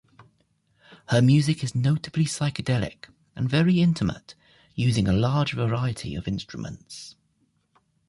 Her music is notably psychedelic and very intimate using a large variety of instruments.